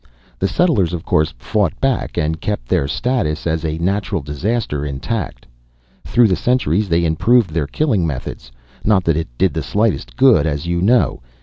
"The settlers, of course, fought back, and kept their status as a natural disaster intact. Through the centuries they improved their killing methods, not that it did the slightest good, as you know.